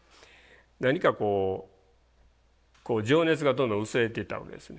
何かこう情熱がどんどん薄れていったわけですね。